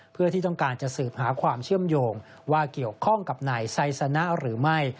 เพื่อที่ต้องการจะสืบหาความเชื่อมโยงว่าเกี่ยวข้องกับนายไซสนะหรือไม่